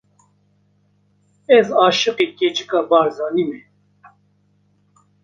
Ez aşiqê keçika Barzanî me!